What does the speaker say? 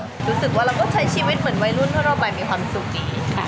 รู้สึกว่าเราก็ใช้ชีวิตเหมือนวัยรุ่นทั่วไปมีความสุขดีค่ะ